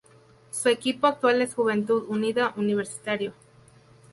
Su equipo actual es Juventud Unida Universitario.